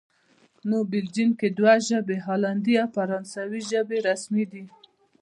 نو بلجیم کې دوه ژبې، هالندي او فرانسوي ژبې رسمي دي